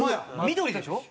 緑でしょ？